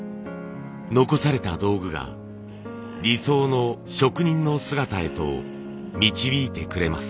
残された道具が理想の職人の姿へと導いてくれます。